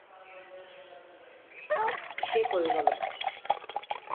İşe koyulalım.